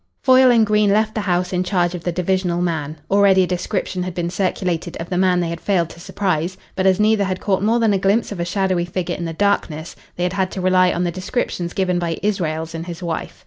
Foyle and Green left the house in charge of the divisional man. Already a description had been circulated of the man they had failed to surprise; but as neither had caught more than a glimpse of a shadowy figure in the darkness, they had had to rely on the descriptions given by Israels and his wife.